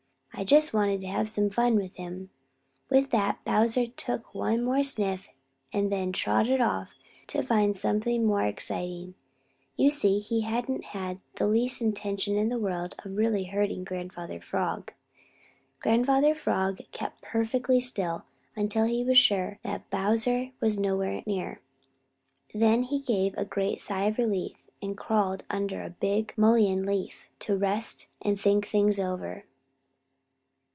I just wanted to have some fun with him." With that, Bowser took one more sniff and then trotted off to try to find something more exciting. You see, he hadn't had the least intention in the world of really hurting Grandfather Frog. Grandfather Frog kept perfectly still until he was sure that Bowser was nowhere near. Then he gave a great sigh of relief and crawled under a big mullein leaf to rest, and think things over.